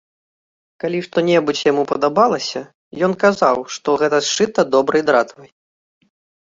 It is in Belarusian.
Калі што-небудзь яму падабалася, ён казаў, што гэта сшыта добрай дратвай.